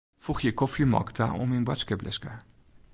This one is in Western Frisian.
Foegje kofjemolke ta oan myn boadskiplistke.